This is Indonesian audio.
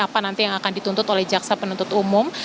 apa nanti yang akan dituntut oleh jaksa penuntut umum